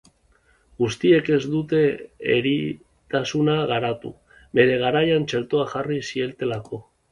Guztiek ez dute eritasuna garatu, bere garaian txertoa jarri zietelako.